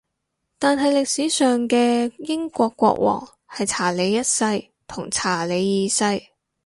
但係歷史上嘅英國國王係查理一世同查理二世